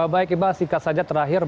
baik iqbal singkat saja terakhir